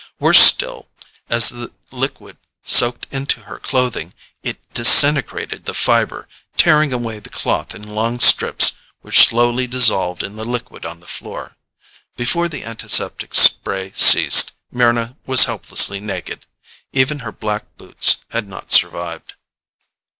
Worse still, as the liquid soaked into her clothing, it disintegrated the fiber, tearing away the cloth in long strips which slowly dissolved in the liquid on the floor. Before the antiseptic spray ceased, Mryna was helplessly naked. Even her black boots had not survived.